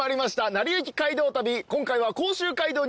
『なりゆき街道旅』今回は。